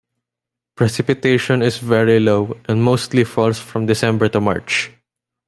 Precipitation is very low, and mostly falls from December to March.